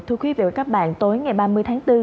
thưa quý vị và các bạn tối ngày ba mươi tháng bốn